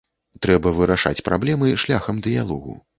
Трэба вырашаць праблемы шляхам дыялогу.